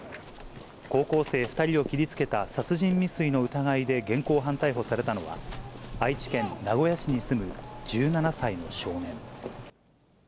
高校生２人を切りつけた殺人未遂の疑いで現行犯逮捕されたのは、愛知県名古屋市に住む１７歳の少年。